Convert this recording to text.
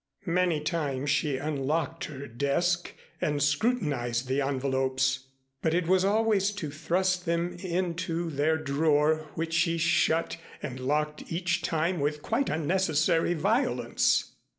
Many times she unlocked her desk and scrutinized the envelopes, but it was always to thrust them into their drawer which she shut and locked each time with quite unnecessary violence.